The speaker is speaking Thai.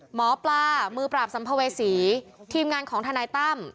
หมอปลามือปราบสัมภเวษีทีมงานของทนายตั้ม